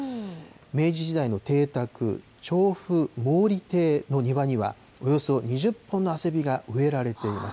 明治時代の邸宅、長府毛利邸の庭には、およそ２０本のあせびが植えられています。